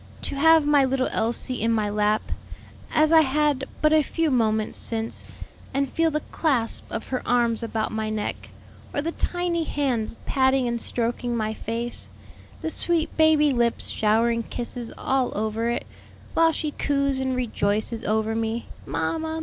to have my little Elsie in my lap, as I had but a few moments since, and feel the clasp of her arms about my neck, or the tiny hands patting and stroking my face, the sweet baby lips showering kisses all over it, while she coos and rejoices over me; Mamma!